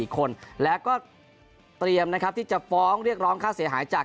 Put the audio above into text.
๔คนแล้วก็เตรียมนะครับที่จะฟ้องเรียกร้องค่าเสียหายจาก